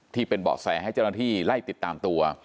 ที่เป็นเบาะแสให้เจ้าหน้าที่ไล่ติดตามตัว